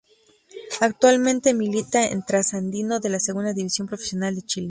Actualmente milita en Trasandino de la Segunda División Profesional de Chile.